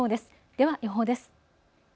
では予報です。